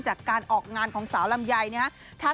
จากการออกงานของสาวลำยายนี่